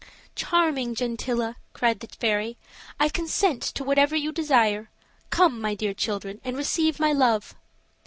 "Charming Gentilla," cried the fairy, "I consent to whatever you desire. Come, my dear children, and receive my love."